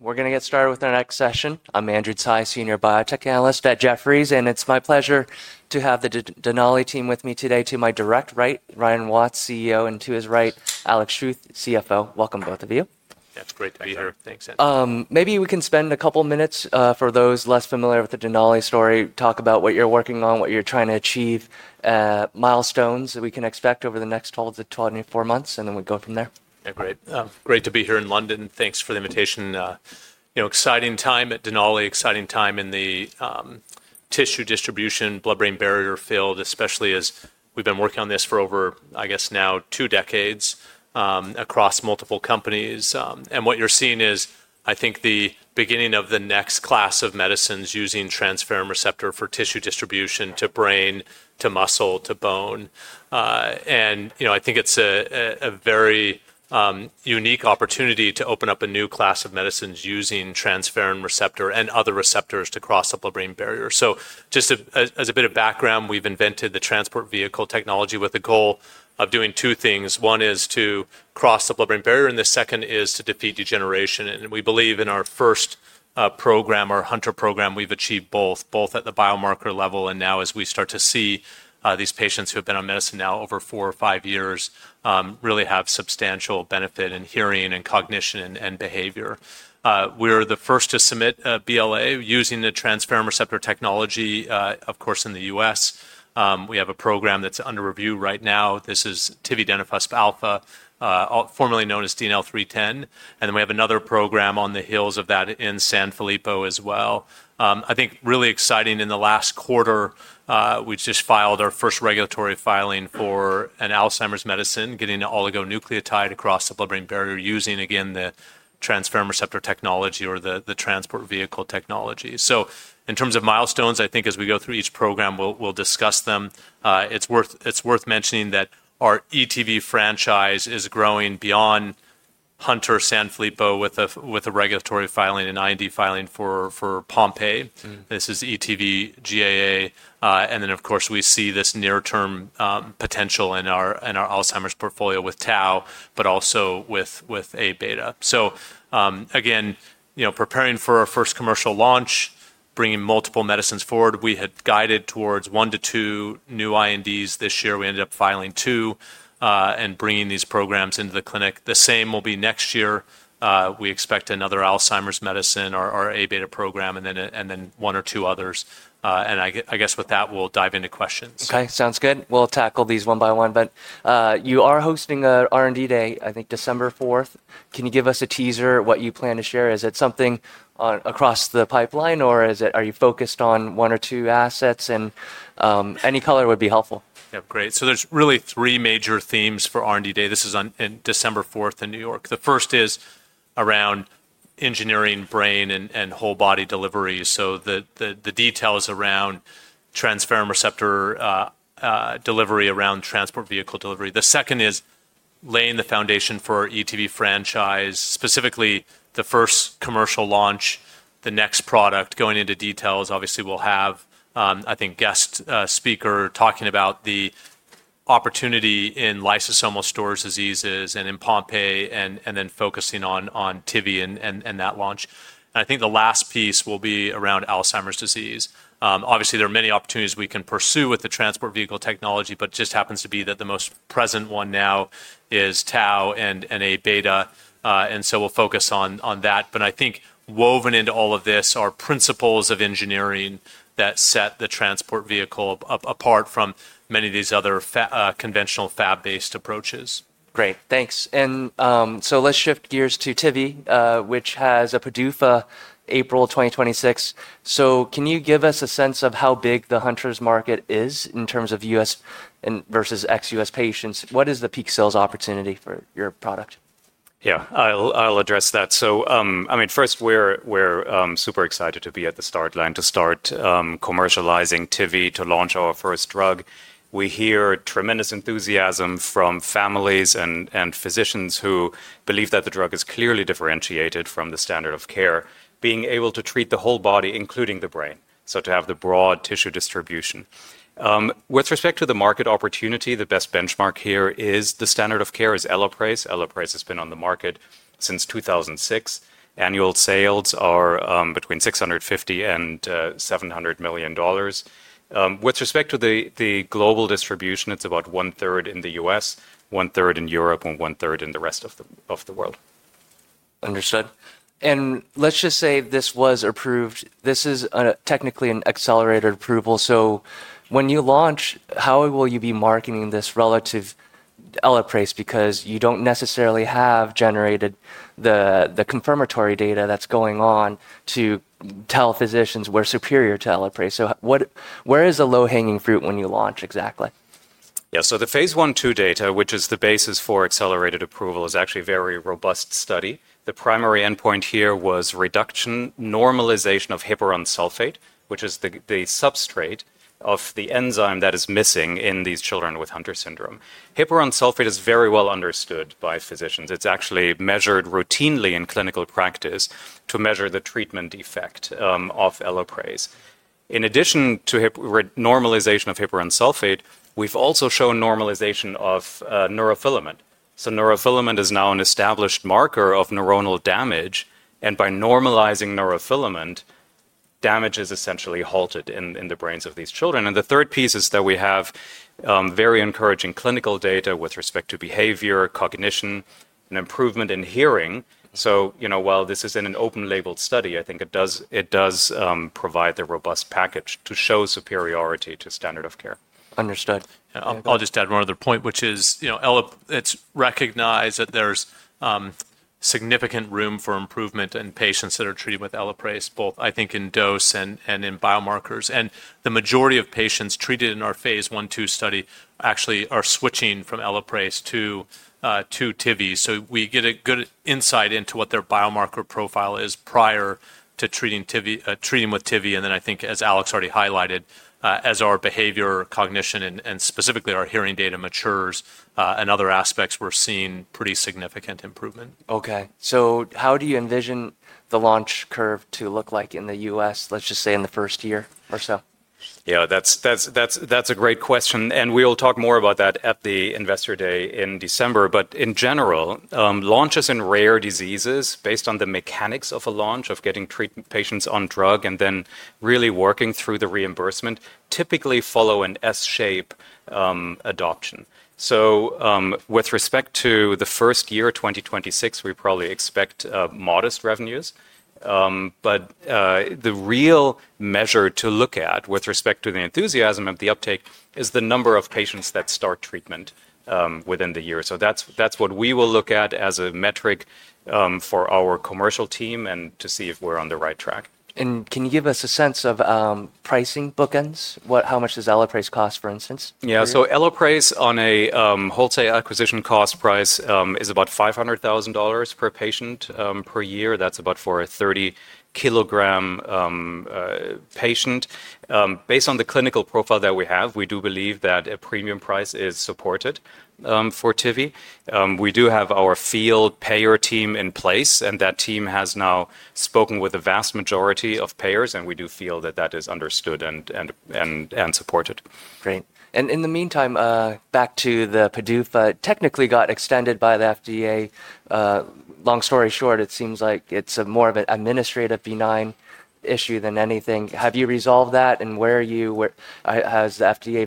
We're going to get started with our next session. I'm Andrew Tsai, Senior Biotech Analyst at Jefferies, and it's my pleasure to have the Denali team with me today. To my direct right, Ryan Watts, CEO, and to his right, Alex Schuth, CFO. Welcome, both of you. That's great to be here. Thanks, Andrew. Maybe we can spend a couple of minutes for those less familiar with the Denali story, talk about what you're working on, what you're trying to achieve, milestones that we can expect over the next 12 to 24 months, and then we go from there. Yeah, great. Great to be here in London. Thanks for the invitation. Exciting time at Denali, exciting time in the tissue distribution, blood-brain barrier field, especially as we've been working on this for over, I guess, now two decades across multiple companies. What you're seeing is, I think, the beginning of the next class of medicines using transferrin receptor for tissue distribution to brain, to muscle, to bone. I think it's a very unique opportunity to open up a new class of medicines using transferrin receptor and other receptors to cross the blood-brain barrier. Just as a bit of background, we've invented the transport vehicle technology with the goal of doing two things. One is to cross the blood-brain barrier, and the second is to defeat degeneration. We believe in our first program, our Hunter program, we have achieved both, both at the biomarker level and now as we start to see these patients who have been on medicine now over four or five years really have substantial benefit in hearing and cognition and behavior. We are the first to submit a BLA using the transferrin receptor technology, of course, in the U.S. We have a program that is under review right now. This is Tividenofusp alfa, formerly known as DNL-310. We have another program on the heels of that in Sanfilippo as well. I think really exciting in the last quarter, we just filed our first regulatory filing for an Alzheimer's medicine, getting the oligonucleotide across the blood-brain barrier using, again, the transferrin receptor technology or the transport vehicle technology. In terms of milestones, I think as we go through each program, we'll discuss them. It's worth mentioning that our ETV franchise is growing beyond Hunter, Sanfilippo with a regulatory filing and IND filing for Pompe. This is ETV:GAA. Of course, we see this near-term potential in our Alzheimer's portfolio with Tau, but also with Aβ. Again, preparing for our first commercial launch, bringing multiple medicines forward. We had guided towards one to two new INDs this year. We ended up filing two and bringing these programs into the clinic. The same will be next year. We expect another Alzheimer's medicine, our Aβ program, and then one or two others. I guess with that, we'll dive into questions. Okay, sounds good. We'll tackle these one by one. You are hosting an R&D Day, I think December 4th. Can you give us a teaser of what you plan to share? Is it something across the pipeline, or are you focused on one or two assets? Any color would be helpful. Yeah, great. There are really three major themes for R&D Day. This is on December 4th in New York. The first is around engineering brain and whole body delivery. The details around transferrin receptor delivery, around transport vehicle delivery. The second is laying the foundation for our ETV franchise, specifically the first commercial launch, the next product going into details. Obviously, we'll have, I think, a guest speaker talking about the opportunity in lysosomal storage diseases and in Pompe and then focusing on Tivi and that launch. I think the last piece will be around Alzheimer's disease. Obviously, there are many opportunities we can pursue with the transport vehicle technology, but it just happens to be that the most present one now is Tau and Aβ. We will focus on that. I think woven into all of this are principles of engineering that set the transport vehicle apart from many of these other conventional Fab-based approaches. Great, thanks. Let's shift gears to Tivi, which has a PDUFA April 2026. Can you give us a sense of how big the Hunter's market is in terms of US versus ex-US patients? What is the peak sales opportunity for your product? Yeah, I'll address that. I mean, first, we're super excited to be at the start line to start commercializing Tivi to launch our first drug. We hear tremendous enthusiasm from families and physicians who believe that the drug is clearly differentiated from the standard of care, being able to treat the whole body, including the brain, to have the broad tissue distribution. With respect to the market opportunity, the best benchmark here is the standard of care, EloPrase. EloPrase has been on the market since 2006. Annual sales are between $650 million-$700 million. With respect to the global distribution, it's about one-third in the U.S., one-third in Europe, and one-third in the rest of the world. Understood. Let's just say this was approved. This is technically an accelerated approval. When you launch, how will you be marketing this relative to EloPrase? You do not necessarily have generated the confirmatory data that is going on to tell physicians we are superior to EloPrase. Where is the low-hanging fruit when you launch exactly? Yeah, so the phase I-II data, which is the basis for accelerated approval, is actually a very robust study. The primary endpoint here was reduction normalization of heparan sulfate, which is the substrate of the enzyme that is missing in these children with Hunter syndrome. Heparan sulfate is very well understood by physicians. It's actually measured routinely in clinical practice to measure the treatment effect of EloPrase. In addition to normalization of heparan sulfate, we've also shown normalization of neurofilament. Neurofilament is now an established marker of neuronal damage. By normalizing neurofilament, damage is essentially halted in the brains of these children. The third piece is that we have very encouraging clinical data with respect to behavior, cognition, and improvement in hearing. While this is in an open-label study, I think it does provide the robust package to show superiority to standard of care. Understood. I'll just add one other point, which is it's recognized that there's significant room for improvement in patients that are treated with EloPrase, both I think in dose and in biomarkers. The majority of patients treated in our phase I-II study actually are switching from EloPrase to Tivi. We get a good insight into what their biomarker profile is prior to treating with Tivi. I think, as Alex already highlighted, as our behavior, cognition, and specifically our hearing data matures and other aspects, we're seeing pretty significant improvement. Okay, so how do you envision the launch curve to look like in the U.S., let's just say in the first year or so? Yeah, that's a great question. We will talk more about that at the investor day in December. In general, launches in rare diseases based on the mechanics of a launch of getting treatment patients on drug and then really working through the reimbursement typically follow an S-shape adoption. With respect to the first year 2026, we probably expect modest revenues. The real measure to look at with respect to the enthusiasm of the uptake is the number of patients that start treatment within the year. That's what we will look at as a metric for our commercial team and to see if we're on the right track. Can you give us a sense of pricing bookends? How much does EloPrase cost, for instance? Yeah, so EloPrase on a whole-acquisition cost price is about $500,000 per patient per year. That's about for a 30-kilogram patient. Based on the clinical profile that we have, we do believe that a premium price is supported for Tivi. We do have our field payer team in place, and that team has now spoken with the vast majority of payers, and we do feel that that is understood and supported. Great. In the meantime, back to the PDUFA, technically got extended by the FDA. Long story short, it seems like it is more of an administrative benign issue than anything. Have you resolved that, and where are you? Has the FDA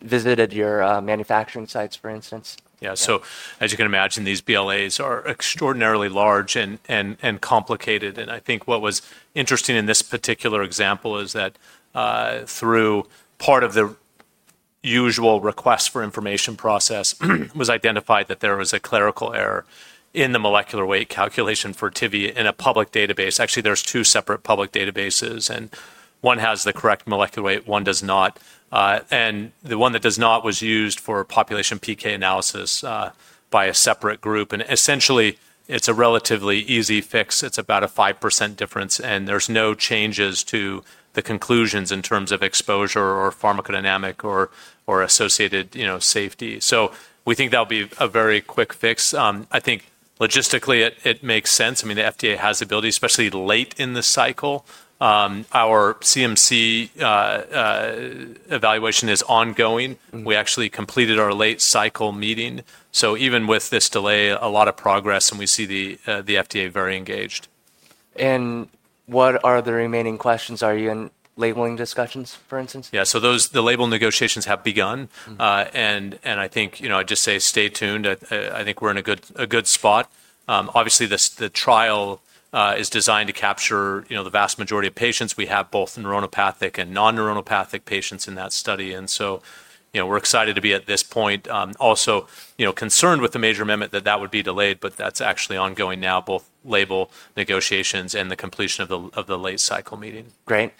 visited your manufacturing sites, for instance? Yeah, so as you can imagine, these BLAs are extraordinarily large and complicated. I think what was interesting in this particular example is that through part of the usual request for information process it was identified that there was a clerical error in the molecular weight calculation for Tivi in a public database. Actually, there are two separate public databases, and one has the correct molecular weight, one does not. The one that does not was used for population PK analysis by a separate group. Essentially, it is a relatively easy fix. It is about a 5% difference, and there are no changes to the conclusions in terms of exposure or pharmacodynamic or associated safety. We think that will be a very quick fix. I think logistically it makes sense. I mean, the FDA has ability, especially late in the cycle. Our CMC evaluation is ongoing. We actually completed our late cycle meeting. Even with this delay, a lot of progress, and we see the FDA very engaged. What are the remaining questions? Are you in labeling discussions, for instance? Yeah, the label negotiations have begun. I think I'd just say stay tuned. I think we're in a good spot. Obviously, the trial is designed to capture the vast majority of patients. We have both neuronopathic and non-neuronopathic patients in that study. We're excited to be at this point. Also, concerned with the major amendment that that would be delayed, but that's actually ongoing now, both label negotiations and the completion of the late cycle meeting. Great.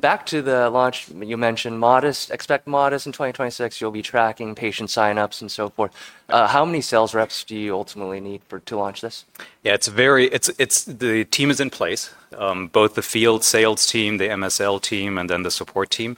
Back to the launch, you mentioned modest, expect modest in 2026. You'll be tracking patient signups and so forth. How many sales reps do you ultimately need to launch this? Yeah, it's very, the team is in place, both the field sales team, the MSL team, and then the support team.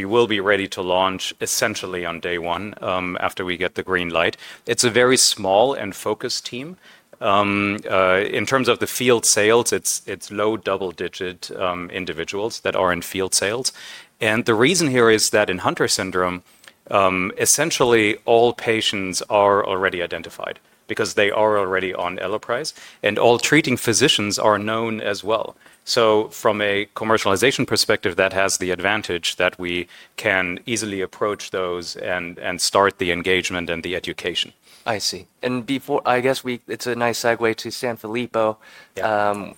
We will be ready to launch essentially on day one after we get the green light. It's a very small and focused team. In terms of the field sales, it's low double-digit individuals that are in field sales. The reason here is that in Hunter syndrome, essentially all patients are already identified because they are already on EloPrase, and all treating physicians are known as well. From a commercialization perspective, that has the advantage that we can easily approach those and start the engagement and the education. I see. Before, I guess it's a nice segue to Sanfilippo.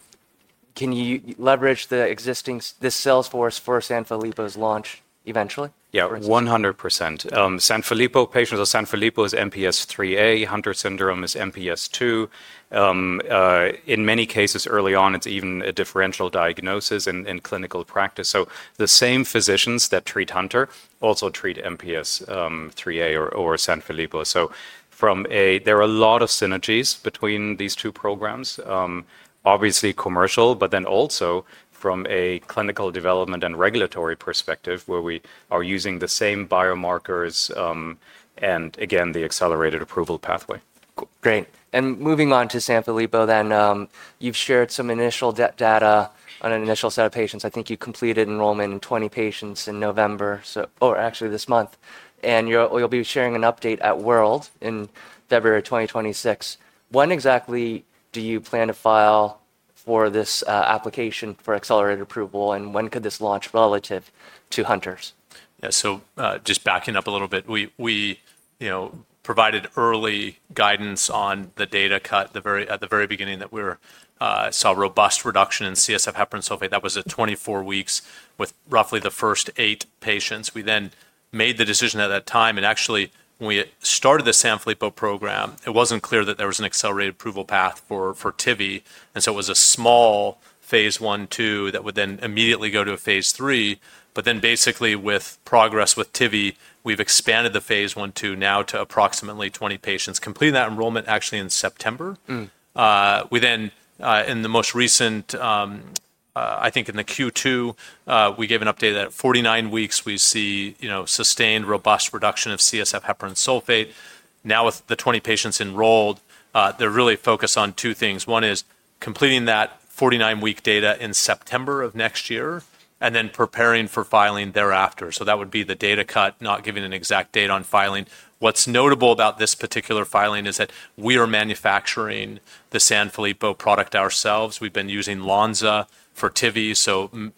Can you leverage the existing sales force for Sanfilippo's launch eventually? Yeah, 100%. Sanfilippo patients are, Sanfilippo is MPS IIIA, Hunter syndrome is MPS II. In many cases early on, it's even a differential diagnosis in clinical practice. The same physicians that treat Hunter also treat MPS IIIA or Sanfilippo. There are a lot of synergies between these two programs, obviously commercial, but then also from a clinical development and regulatory perspective where we are using the same biomarkers and again, the accelerated approval pathway. Great. Moving on to Sanfilippo then, you've shared some initial data on an initial set of patients. I think you completed enrollment in 20 patients in November, or actually this month. You'll be sharing an update at World in February 2026. When exactly do you plan to file for this application for accelerated approval, and when could this launch relative to Hunter's? Yeah, so just backing up a little bit, we provided early guidance on the data cut at the very beginning that we saw robust reduction in CSF heparan sulfate. That was at 24 weeks with roughly the first eight patients. We then made the decision at that time. Actually, when we started the Sanfilippo program, it wasn't clear that there was an accelerated approval path for Tivi. It was a small phase I-II that would then immediately go to a phase III. Basically, with progress with Tivi, we've expanded the phase I-II now to approximately 20 patients, completing that enrollment actually in September. In the most recent, I think in the Q2, we gave an update that at 49 weeks we see sustained robust reduction of CSF heparan sulfate. Now with the 20 patients enrolled, they're really focused on two things. One is completing that 49-week data in September of next year and then preparing for filing thereafter. That would be the data cut, not giving an exact date on filing. What's notable about this particular filing is that we are manufacturing the Sanfilippo product ourselves. We've been using Lonza for Tivi.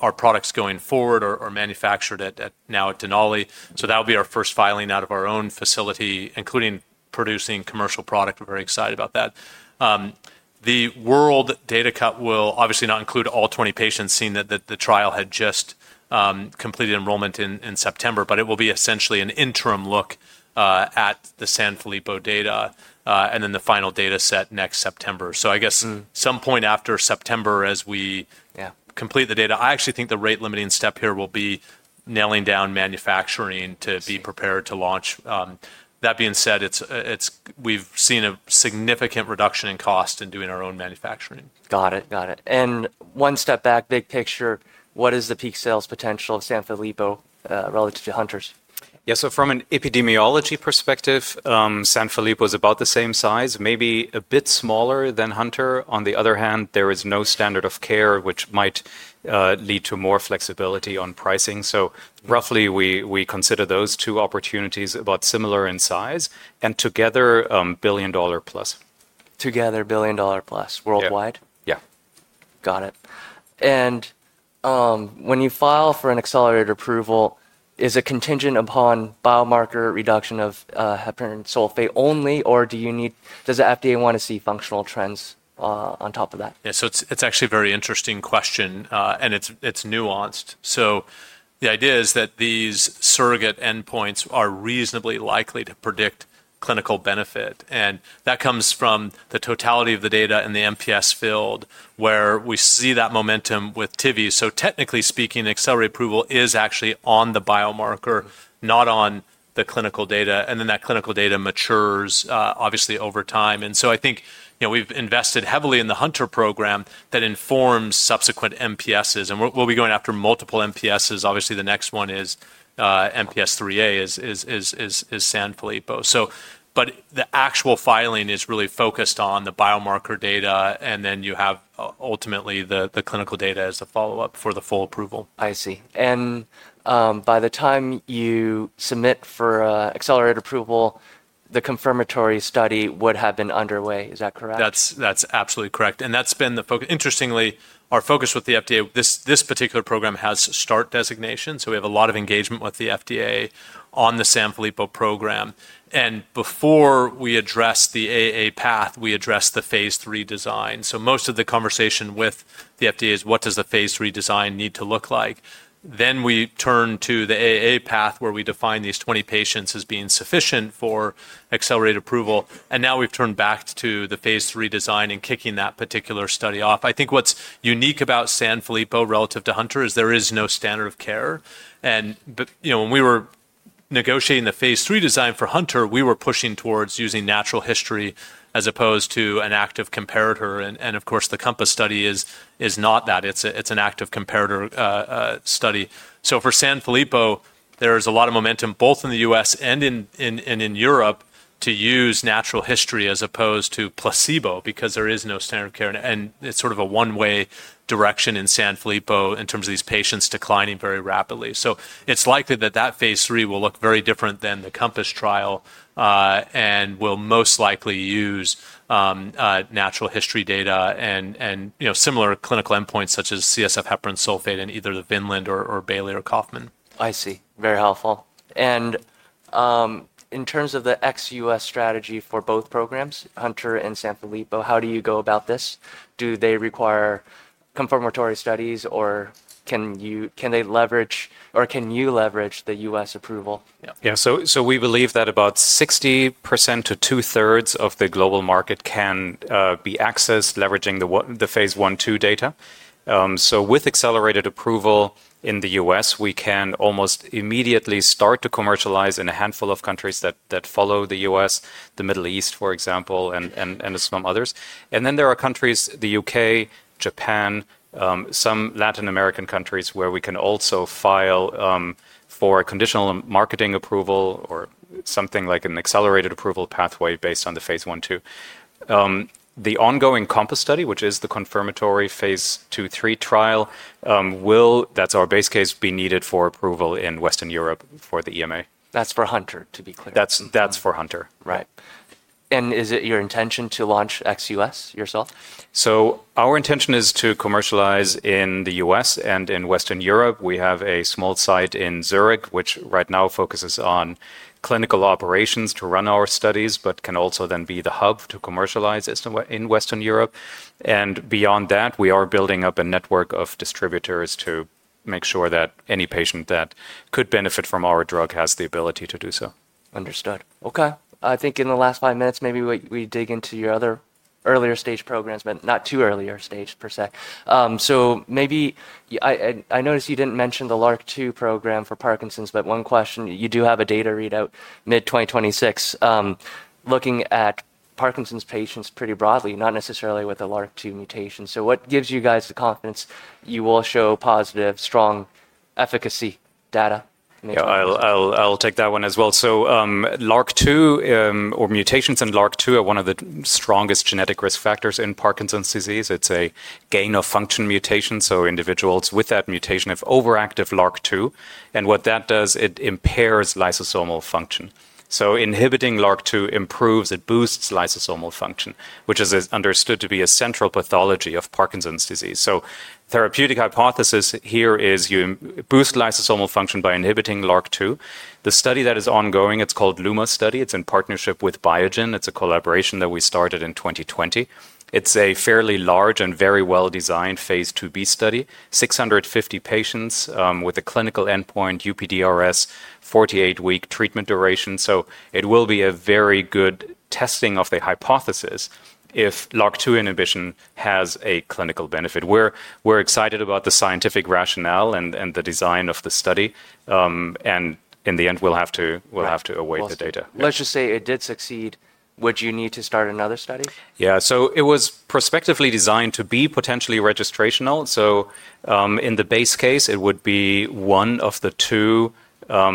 Our products going forward are manufactured now at Denali. That will be our first filing out of our own facility, including producing commercial product. We're very excited about that. The World data cut will obviously not include all 20 patients, seeing that the trial had just completed enrollment in September, but it will be essentially an interim look at the Sanfilippo data and then the final data set next September. I guess some point after September as we complete the data, I actually think the rate limiting step here will be nailing down manufacturing to be prepared to launch. That being said, we've seen a significant reduction in cost in doing our own manufacturing. Got it. Got it. One step back, big picture, what is the peak sales potential of Sanfilippo relative to Hunter's? Yeah, so from an epidemiology perspective, Sanfilippo is about the same size, maybe a bit smaller than Hunter. On the other hand, there is no standard of care, which might lead to more flexibility on pricing. So roughly we consider those two opportunities about similar in size and together $1 billion plus. Together billion dollar plus worldwide? Yeah. Got it. When you file for an accelerated approval, is it contingent upon biomarker reduction of heparan sulfate only, or does the FDA want to see functional trends on top of that? Yeah, so it's actually a very interesting question, and it's nuanced. The idea is that these surrogate endpoints are reasonably likely to predict clinical benefit. That comes from the totality of the data in the MPS field where we see that momentum with Tivi. Technically speaking, accelerated approval is actually on the biomarker, not on the clinical data. That clinical data matures obviously over time. I think we've invested heavily in the Hunter program that informs subsequent MPSs. We'll be going after multiple MPSs. Obviously, the next one is MPS IIIA, Sanfilippo. The actual filing is really focused on the biomarker data, and then you have ultimately the clinical data as the follow-up for the full approval. I see. By the time you submit for accelerated approval, the confirmatory study would have been underway. Is that correct? That's absolutely correct. That's been the focus. Interestingly, our focus with the FDA, this particular program has STAR designation. We have a lot of engagement with the FDA on the Sanfilippo program. Before we address the AAA path, we address the phase III design. Most of the conversation with the FDA is what does the phase III design need to look like? We turn to the AAA path where we define these 20 patients as being sufficient for accelerated approval. Now we've turned back to the phase III design and kicking that particular study off. I think what's unique about Sanfilippo relative to Hunter is there is no standard of care. When we were negotiating the phase III design for Hunter, we were pushing towards using natural history as opposed to an active comparator. Of course, the COMPASS study is not that. It's an active comparator study. For Sanfilippo, there is a lot of momentum both in the U.S. and in Europe to use natural history as opposed to placebo because there is no standard of care. It's sort of a one-way direction in Sanfilippo in terms of these patients declining very rapidly. It's likely that that phase III will look very different than the COMPASS trial and will most likely use natural history data and similar clinical endpoints such as CSF heparan sulfate in either the Vineland or Bayley or Kaufman. I see. Very helpful. In terms of the ex-U.S. strategy for both programs, Hunter and Sanfilippo, how do you go about this? Do they require confirmatory studies or can they leverage, or can you leverage, the U.S. approval? Yeah, so we believe that about 60% to two-thirds of the global market can be accessed leveraging the phase I-II data. With accelerated approval in the U.S., we can almost immediately start to commercialize in a handful of countries that follow the U.S., the Middle East, for example, and some others. There are countries, the U.K., Japan, some Latin American countries where we can also file for a conditional marketing approval or something like an accelerated approval pathway based on the phase I-II. The ongoing COMPASS study, which is the confirmatory phase II-III trial, will, that's our base case, be needed for approval in Western Europe for the EMA. That's for Hunter, to be clear. That's for Hunter, right? Is it your intention to launch ex-US yourself? Our intention is to commercialize in the U.S. and in Western Europe. We have a small site in Zurich, which right now focuses on clinical operations to run our studies, but can also then be the hub to commercialize in Western Europe. Beyond that, we are building up a network of distributors to make sure that any patient that could benefit from our drug has the ability to do so. Understood. Okay. I think in the last five minutes, maybe we dig into your other earlier stage programs, but not too earlier stage per se. Maybe I noticed you did not mention the LRRK2 program for Parkinson's, but one question, you do have a data readout mid-2026 looking at Parkinson's patients pretty broadly, not necessarily with the LRRK2 mutation. What gives you guys the confidence you will show positive, strong efficacy data? Yeah, I'll take that one as well. LRRK2 or mutations in LRRK2 are one of the strongest genetic risk factors in Parkinson's disease. It's a gain of function mutation. Individuals with that mutation have overactive LRRK2. What that does is it impairs lysosomal function. Inhibiting LRRK2 improves, it boosts lysosomal function, which is understood to be a central pathology of Parkinson's disease. The therapeutic hypothesis here is you boost lysosomal function by inhibiting LRRK2. The study that is ongoing is called the LUMA study. It's in partnership with Biogen. It's a collaboration that we started in 2020. It's a fairly large and very well-designed phase II-B study, 650 patients with a clinical endpoint UPDRS, 48-week treatment duration. It will be a very good testing of the hypothesis if LRRK2 inhibition has a clinical benefit. We're excited about the scientific rationale and the design of the study. In the end, we'll have to await the data. Let's just say it did succeed. Would you need to start another study? Yeah, so it was prospectively designed to be potentially registrational. In the base case, it would be one of the two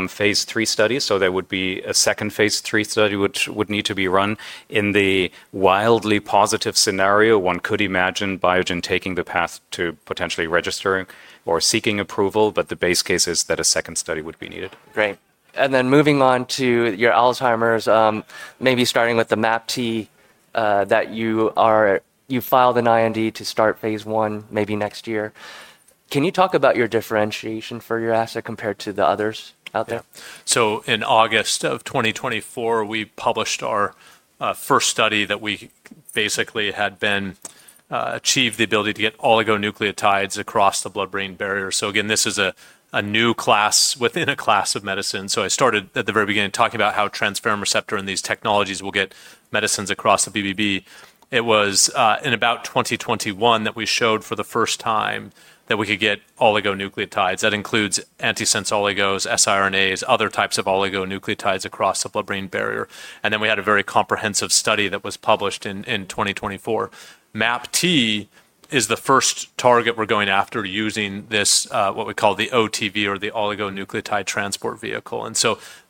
phase III studies. There would be a second phase III study which would need to be run. In the wildly positive scenario, one could imagine Biogen taking the path to potentially registering or seeking approval, but the base case is that a second study would be needed. Great. Moving on to your Alzheimer's, maybe starting with the MAPT that you filed an IND to start phase I maybe next year. Can you talk about your differentiation for your asset compared to the others out there? Yeah. In August of 2024, we published our first study that we basically had achieved the ability to get oligonucleotides across the blood-brain barrier. This is a new class within a class of medicine. I started at the very beginning talking about how transferrin receptor and these technologies will get medicines across the BBB. It was in about 2021 that we showed for the first time that we could get oligonucleotides. That includes antisense oligos, siRNAs, other types of oligonucleotides across the blood-brain barrier. We had a very comprehensive study that was published in 2024. MAPT is the first target we're going after using this, what we call the OTV or the oligonucleotide transport vehicle.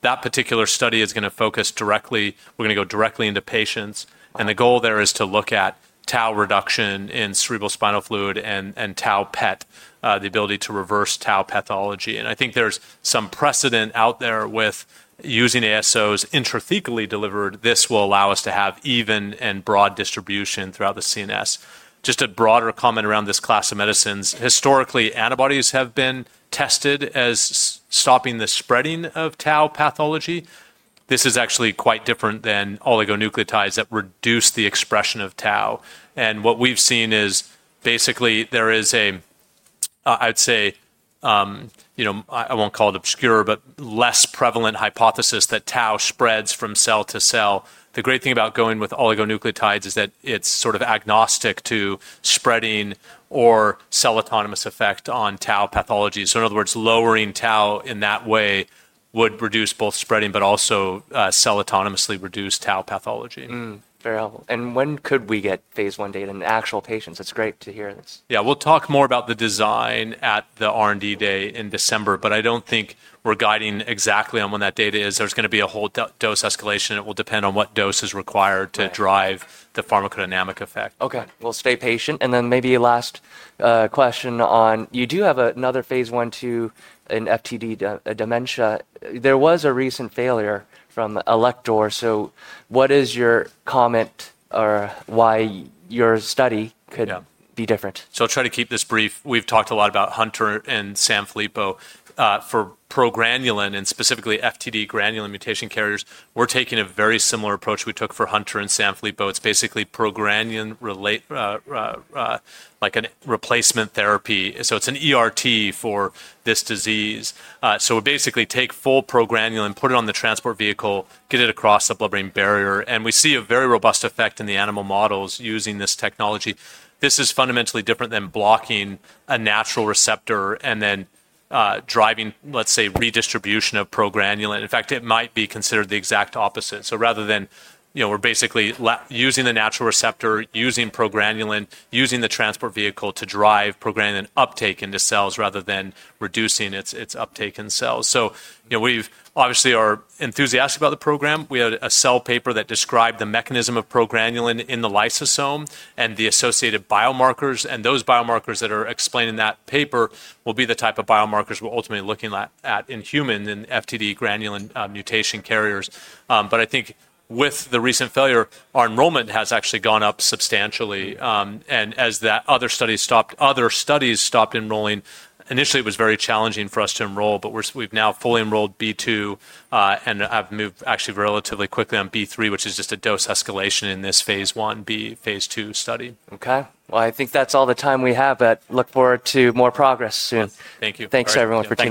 That particular study is going to focus directly, we're going to go directly into patients. The goal there is to look at tau reduction in cerebrospinal fluid and tau PET, the ability to reverse tau pathology. I think there's some precedent out there with using ASOs intrathecally delivered. This will allow us to have even and broad distribution throughout the CNS. Just a broader comment around this class of medicines. Historically, antibodies have been tested as stopping the spreading of tau pathology. This is actually quite different than oligonucleotides that reduce the expression of tau. What we've seen is basically there is a, I'd say, I won't call it obscure, but less prevalent hypothesis that tau spreads from cell to cell. The great thing about going with oligonucleotides is that it's sort of agnostic to spreading or cell autonomous effect on tau pathology. In other words, lowering tau in that way would reduce both spreading, but also cell autonomously reduce tau pathology. Very helpful. When could we get phase I data in actual patients? It's great to hear this. Yeah, we'll talk more about the design at the R&D day in December, but I don't think we're guiding exactly on when that data is. There's going to be a whole dose escalation. It will depend on what dose is required to drive the pharmacodynamic effect. Okay. We'll stay patient. Maybe last question on, you do have another phase I-II in FTD dementia. There was a recent failure from Elector. What is your comment or why your study could be different? I'll try to keep this brief. We've talked a lot about Hunter and Sanfilippo for progranulin and specifically FTD granulin mutation carriers. We're taking a very similar approach we took for Hunter and Sanfilippo. It's basically progranulin like a replacement therapy. It's an ERT for this disease. We basically take full progranulin, put it on the transport vehicle, get it across the blood-brain barrier. We see a very robust effect in the animal models using this technology. This is fundamentally different than blocking a natural receptor and then driving, let's say, redistribution of progranulin. In fact, it might be considered the exact opposite. Rather than basically using the natural receptor, using progranulin, using the transport vehicle to drive progranulin uptake into cells rather than reducing its uptake in cells. We've obviously are enthusiastic about the program. We had a Cell paper that described the mechanism of progranulin in the lysosome and the associated biomarkers. Those biomarkers that are explained in that paper will be the type of biomarkers we're ultimately looking at in human and FTD granulin mutation carriers. I think with the recent failure, our enrollment has actually gone up substantially. As that other study stopped, other studies stopped enrolling. Initially, it was very challenging for us to enroll, but we've now fully enrolled B2 and have moved actually relatively quickly on B3, which is just a dose escalation in this phase I-B, phase II study. Okay. I think that's all the time we have, but look forward to more progress soon. Thank you. Thanks, everyone, for coming.